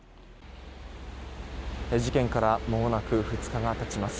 事件からまもなく２日が経ちます。